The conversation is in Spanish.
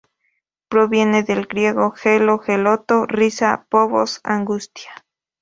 Proviene del griego: "gelo-,geloto-"= risa; "phobos"= angustia.